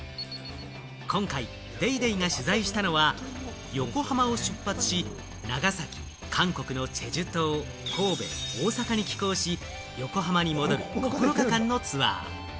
今回『ＤａｙＤａｙ．』が取材したのは、横浜を出発し、長崎、韓国のチェジュ島、神戸、大阪に寄港し、横浜に戻る９日間のツアー。